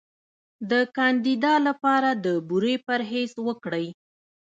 د کاندیدا لپاره د بورې پرهیز وکړئ